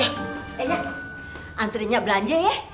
ya ya anterinya belanja ya